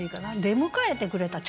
「出迎えてくれた」